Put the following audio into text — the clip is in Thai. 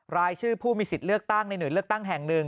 รายชื่อผู้มีสิทธิ์เลือกตั้งในหน่วยเลือกตั้งแห่งหนึ่ง